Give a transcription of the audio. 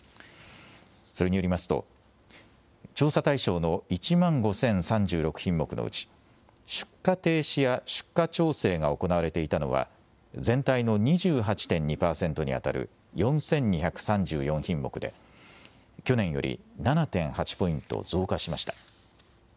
それによりますと調査対象の１万５０３６品目のうち出荷停止や出荷調整が行われていたのは全体の２８．２％にあたる４２３４品目で去年より７．８ポイント増加しました。